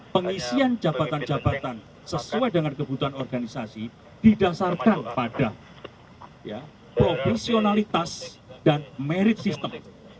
pengisian jabatan jabatan sesuai dengan kebutuhan organisasi didasarkan pada profesionalitas dan merit system